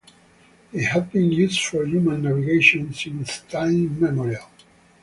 They have been used for human navigation since time immemorial.